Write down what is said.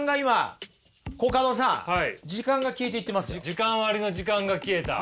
時間割の時間が消えた。